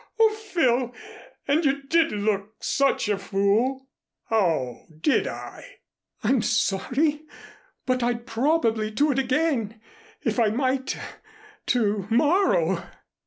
Oh, Phil, and you did look such a fool!" "Oh, did I?" "I'm sorry. But I'd probably do it again if I might to morrow.